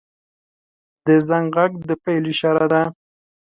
• د زنګ غږ د پیل اشاره ده.